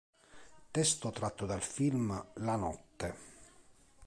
Testo tratto dal film "La notte".